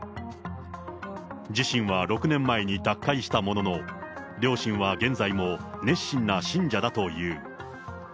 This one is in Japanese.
自身は６年前に脱会したものの、両親は現在も熱心な信者だという。